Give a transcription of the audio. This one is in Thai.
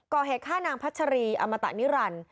ก่อเหตุฆ่านางพัชรีอมตะนิรันดิ์